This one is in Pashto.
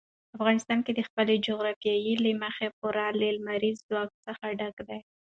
افغانستان د خپلې جغرافیې له مخې پوره له لمریز ځواک څخه ډک دی.